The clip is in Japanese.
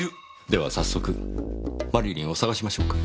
では早速マリリンを捜しましょうか。